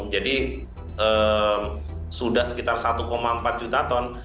jadi sudah sekitar satu empat juta ton